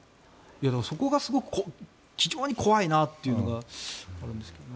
そこが非常に怖いなというのがあるんです。